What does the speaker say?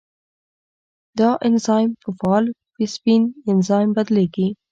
دا انزایم په فعال پیپسین انزایم بدلېږي.